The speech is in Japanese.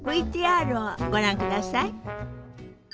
ＶＴＲをご覧ください。